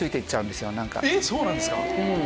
そうなんですか！